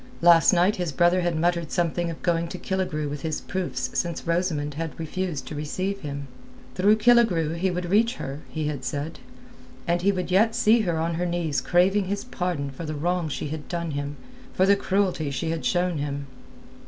Last night his brother had muttered something of going to Killigrew with his proofs since Rosamund refused to receive him. Through Killigrew he would reach her, he had said; and he would yet see her on her knees craving his pardon for the wrong she had done him, for the cruelty she had shown him.